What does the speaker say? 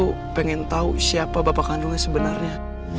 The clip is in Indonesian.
dia itu pengen tau siapa bapak kandungnya sebenarnya